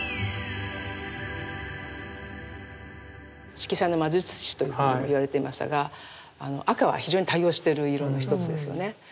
色彩の魔術師といわれてましたが赤は非常に多用してる色の一つですよね。